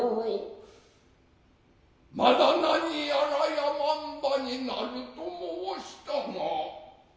またなにやら山姥になると申したが。